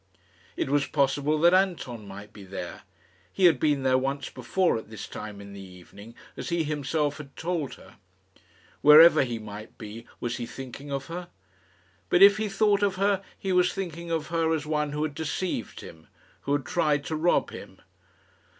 It was possible that Anton might be there. He had been there once before at this time in the evening, as he himself had told her. Wherever he might be, was he thinking of her? But if he thought of her, he was thinking of her as one who had deceived him, who had tried to rob him.